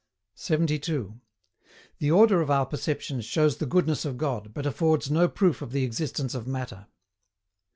72. THE ORDER OF OUR PERCEPTIONS SHOWS THE GOODNESS OF GOD, BUT AFFORDS NO PROOF OF THE EXISTENCE OF MATTER.